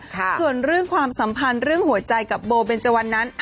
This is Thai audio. ส่วนเรื่องความสัมพันธ์เรื่องหัวใจกับโบเบนเจวันนั้น